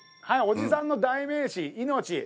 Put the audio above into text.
はいおじさんの代名詞「命」。